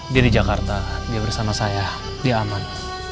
dia di jakarta dia bersama saya dia aman